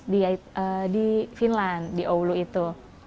di finland di aulu itu